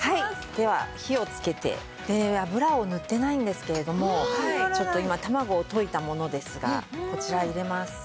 では火をつけて油を塗ってないんですけれどもちょっと今卵を溶いたものですがこちら入れます。